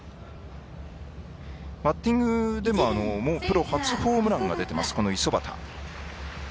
バッティングでもプロ初ホームランが出ているこの五十幡。